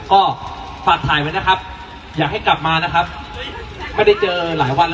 ก็ฝากถ่ายไว้นะครับอยากให้กลับมานะครับไม่ได้เจอหลายวันแล้ว